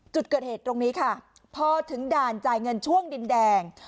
จุดเกิดเหตุตรงนี้ค่ะพอถึงด่านจ่ายเงินช่วงดินแดง